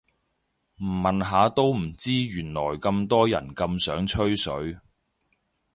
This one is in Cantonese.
唔問下都唔知原來咁多人咁想吹水